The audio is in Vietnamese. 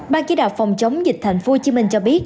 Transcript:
ban chỉ đạo phòng chống dịch tp hcm cho biết